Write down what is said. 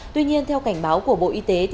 tuy nhiên theo cảnh báo của bộ y tế